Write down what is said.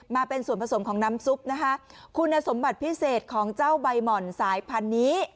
มาเป็นส่วนผสมของน้ำซุปนะคะคุณสมบัติพิเศษของเจ้าใบหม่อนสายพันธุ์นี้